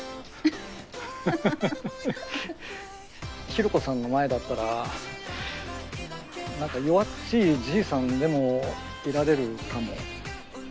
ひろ子さんの前だったら弱っちいじいさんでもいられるかも